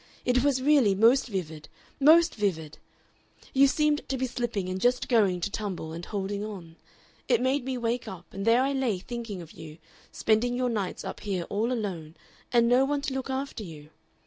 It was really most vivid, most vivid! You seemed to be slipping and just going to tumble and holding on. It made me wake up, and there I lay thinking of you, spending your nights up here all alone, and no one to look after you.